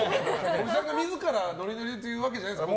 ホリさんが自らノリノリでというわけじゃないんですね。